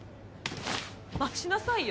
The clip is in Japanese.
待ちなさいよ。